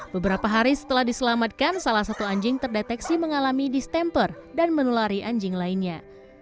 beberapa hari setelah diselamatkan salah satu anjing terdeteksi mengalami distemper dan menulari anjing lainnya